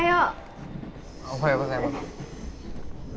おはようございます。